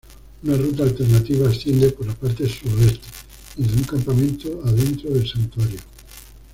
Una ruta alternativa asciende por la parte sudoeste, desde un campamento adentro del Santuario.